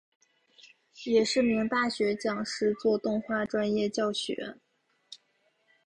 也是名大学讲师做动画专业教学。